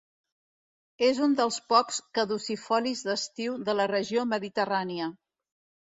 És un dels pocs caducifolis d'estiu de la regió mediterrània.